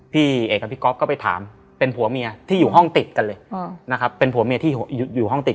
พี่เอกกับพี่ก๊อฟก็ไปถามเป็นผัวเมียที่อยู่ห้องติดกันเลย